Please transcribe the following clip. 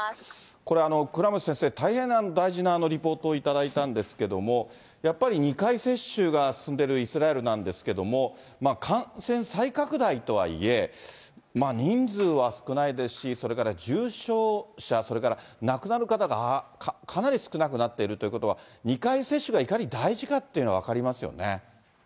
これ、倉持先生、大変大事なリポートを頂いたんですけれども、やっぱり２回接種が進んでるイスラエルなんですけれども、感染再拡大とはいえ、まあ人数は少ないですし、それから重症者、それから亡くなる方がかなり少なくなっているということは、２回接種がいかに大事かっていうのが分かりますよね。